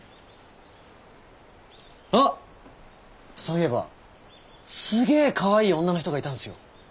あっそういえばすげかわいい女の人がいたんすよ。